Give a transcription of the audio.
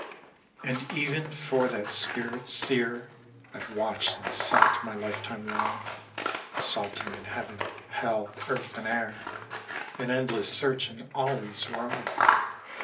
"And even for that spirit, seer, I've watched and sought my life time long; Sought him in heaven, hell, earth, and air, An endless search, and always wrong.